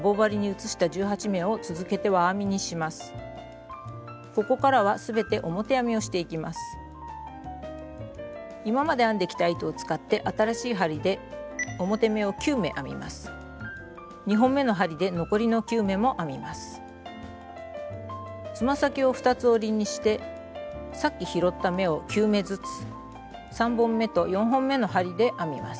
つま先を２つ折りにしてさっき拾った目を９目ずつ３本めと４本めの針で編みます。